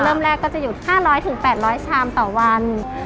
เริ่มแรกก็จะหยุด๕๐๐๘๐๐ชามต่อวัน